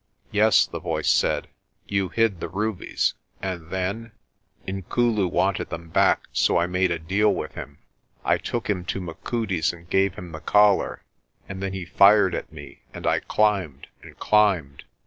"Yes," the voice said, "you hid the rubies and then?' "Inkulu wanted them back, so I made a deal with him. I took him to Machudi's and gave him the collar, and then he fired at me and I climbed and climbed